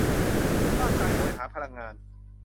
ร่างกายโหยหาพลังงาน